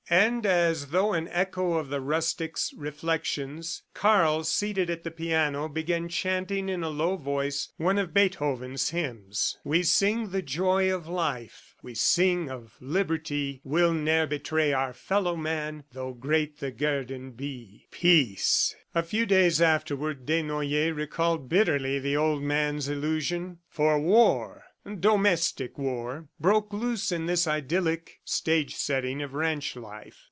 And as though an echo of the rustic's reflections, Karl seated at the piano, began chanting in a low voice one of Beethoven's hymns "We sing the joy of life, We sing of liberty, We'll ne'er betray our fellow man, Though great the guerdon be." Peace! ... A few days afterward Desnoyers recalled bitterly the old man's illusion, for war domestic war broke loose in this idyllic stage setting of ranch life.